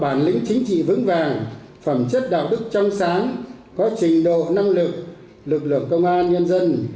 bản lĩnh chính trị vững vàng phẩm chất đạo đức trong sáng có trình độ năng lực lực lượng công an nhân dân